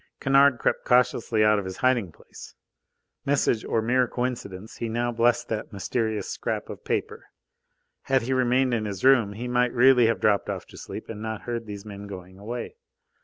Kennard crept cautiously out of his hiding place. Message or mere coincidence, he now blessed that mysterious scrap of paper. Had he remained in his room, he might really have dropped off to sleep and not heard these men going away.